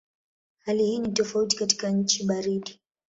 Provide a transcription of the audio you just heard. Hali hii ni tofauti katika nchi baridi.